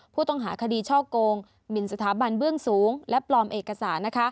ผู้ต้องหาคดีช่อโกงหมินสถาบันเบื้องสูงและปลอมเอกสาร